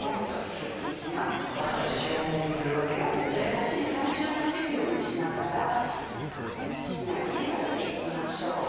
少し体重をかけるようにしながらしんなりさせていきましょう。